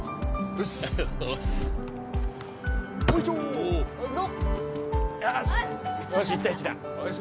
よし！